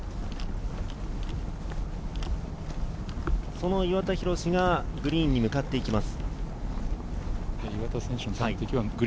その岩田寛がグリーンに向かっていきます。